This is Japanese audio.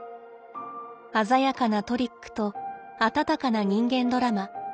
鮮やかなトリックと温かな人間ドラマ。